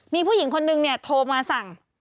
มีผู้หญิงคนหนึ่งโทรมาสั่ง